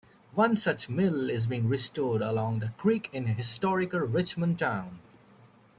One such mill is being restored along the creek in Historic Richmond Town.